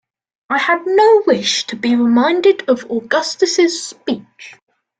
I had no wish to be reminded of Augustus's speech.